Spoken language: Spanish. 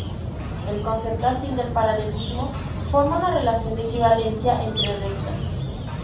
El concepto afín del paralelismo forma una relación de equivalencia entre rectas.